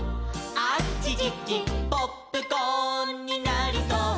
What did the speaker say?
「あちちちポップコーンになりそう」